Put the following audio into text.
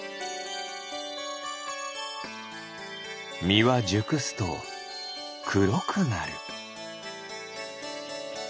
みはじゅくすとくろくなる。